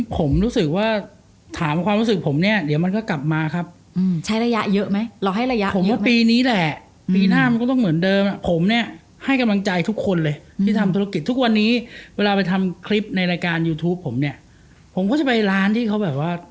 ผมรู้สึกว่าถามความรู้สึกผมเนี่ยเหลือมันก็กลับมาครับ